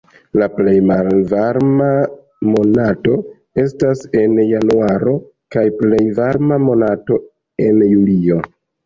La plej malvarma monato estas en januaro kaj plej varma monato en julio.